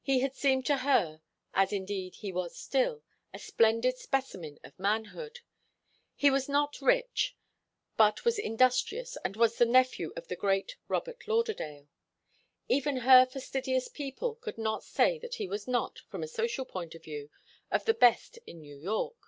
He had seemed to her, as indeed he was still, a splendid specimen of manhood; he was not rich, but was industrious and was the nephew of the great Robert Lauderdale. Even her fastidious people could not say that he was not, from a social point of view, of the best in New York.